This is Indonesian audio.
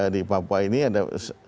di papua ini ada